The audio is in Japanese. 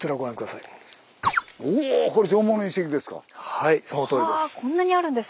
はいそのとおりです。